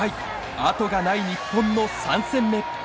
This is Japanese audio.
後がない日本の３戦目。